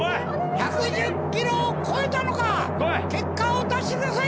１１０キロを超えたのか結果を出してください。